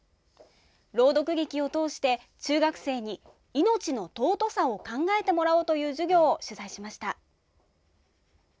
朗読劇を通して、中学生に命の尊さを考えてもらおうという授業を取材しました。